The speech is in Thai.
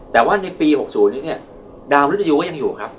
แต่ว่าในปี๖๐นี้เนี่ยดาวมรุตยูก็ยังอยู่ครับ